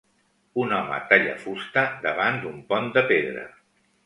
Un home talla fusta davant d'un pont de pedra.